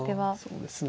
そうですね。